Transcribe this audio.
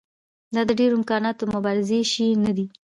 دا د ډېرو امکاناتو د مبارزې شی نه دی.